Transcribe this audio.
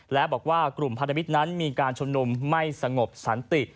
และบอกว่ากลุ่มพันธมิตรนั้นมีการชุมนุมไม่สงบสันติ